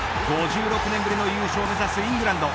５６年ぶりの優勝を目指すイングランド。